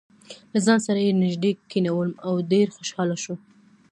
له ځان سره یې نژدې کېنولم او ډېر خوشاله شو.